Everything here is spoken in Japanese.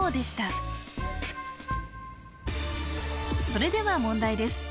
それでは問題です